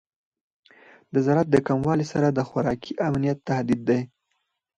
د زراعت د کموالی سره د خوراکي امنیت تهدید دی.